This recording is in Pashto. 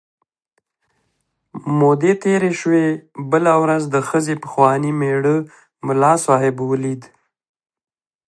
مودې تېرې شوې، بله ورځ د ښځې پخواني مېړه ملا صاحب ولید.